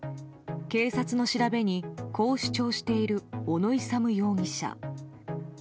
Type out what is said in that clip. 警察の調べにこう主張している小野勇容疑者。